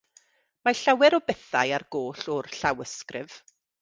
Mae llawer o bethau ar goll o'r llawysgrif.